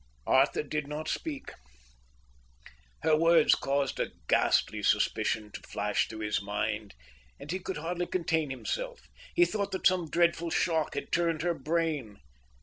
Arthur did not speak. Her words caused a ghastly suspicion to flash through his mind, and he could hardly contain himself. He thought that some dreadful shock had turned her brain.